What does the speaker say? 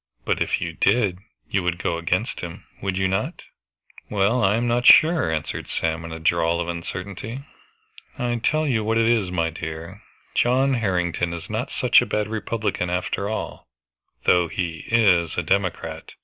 But if you did, you would go against him, would not you?" "Well, I am not sure," answered Sam in a drawl of uncertainty. "I tell you what it is, my dear, John Harrington is not such a bad Republican after all, though he is a Democrat.